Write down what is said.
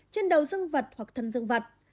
trên đầu dương vật hoặc thân dương vật